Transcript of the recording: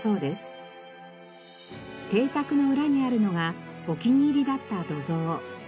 邸宅の裏にあるのがお気に入りだった土蔵。